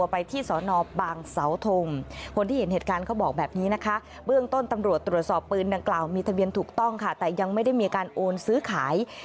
เป็นบริเวณถูกต้องค่ะแต่ยังไม่ได้มีการโอนซื้อขาย